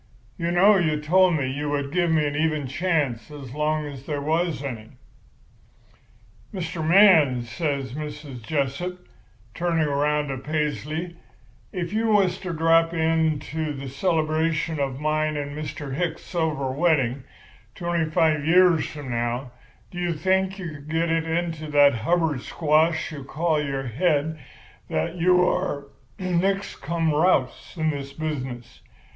You know you told me you would give me an even chance as long as there was any.' "'Mr. Man,' says Mrs. Jessup, turning around to Paisley, 'if you was to drop in to the celebration of mine and Mr. Hicks's silver wedding, twenty five years from now, do you think you could get it into that Hubbard squash you call your head that you are nix cum rous in this business?